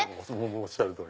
おっしゃる通り。